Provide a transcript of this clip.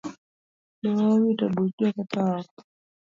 Doho owito buch joketho oko